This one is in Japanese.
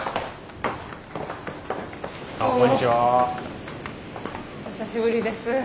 お久しぶりです。